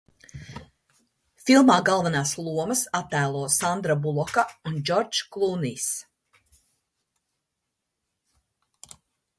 Filmā galvenās lomas attēlo Sandra Buloka un Džordžs Klūnijs.